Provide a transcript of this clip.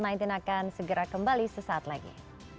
bersatu melawan covid sembilan belas akan segera kembali sesaat lagi